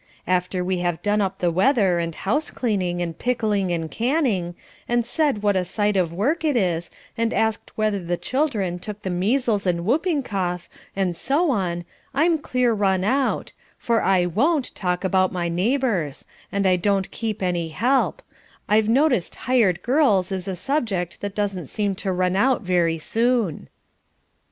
After we have done up the weather and house cleaning and pickling and canning, and said what a sight of work it is, and asked whether the children took the measles and whooping cough, and so on, I'm clear run out, for I won't talk about my neighbours, and I don't keep any help; I've noticed 'hired girls' is a subject that doesn't seem to run out very soon."